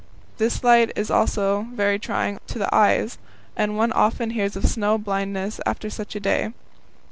This light is also very trying to the eyes, and one often hears of snow blindness after such a day.